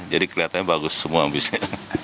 jadi kelihatannya bagus semua bisnya